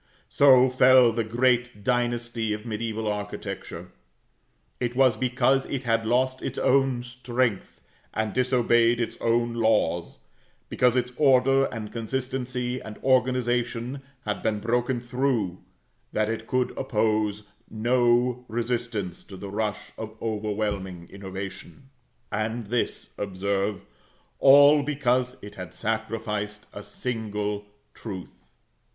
So fell the great dynasty of mediæval architecture. It was because it had lost its own strength, and disobeyed its own laws because its order, and consistency, and organization, had been broken through that it could oppose no resistance to the rush of overwhelming innovation. And this, observe, all because it had sacrificed a single truth.